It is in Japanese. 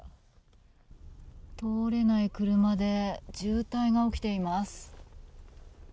通れない車で渋滞が起きています。